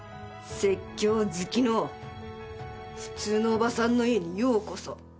説教好きの普通のおばさんの家にようこそ。